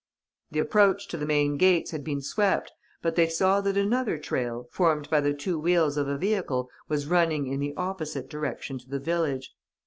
The approach to the main gates had been swept, but they saw that another trail, formed by the two wheels of a vehicle, was running in the opposite direction to the village.